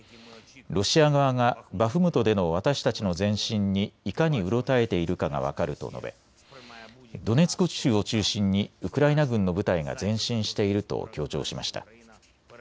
ロシア側がバフムトでの私たちの前進にいかにうろたえているかが分かると述べ、ドネツク州を中心にウクライナ軍の部隊が前進していると強調しました。